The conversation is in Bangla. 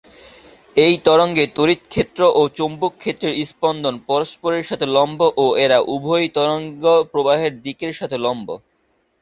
এই তরঙ্গে তড়িৎ ক্ষেত্র ও চৌম্বক ক্ষেত্রের স্পন্দন পরস্পরের সাথে লম্ব ও এরা উভয়ই তরঙ্গ প্রবাহের দিকের সাথে লম্ব।